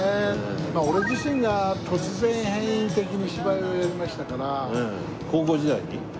まあ俺自身が突然変異的に芝居をやりましたから。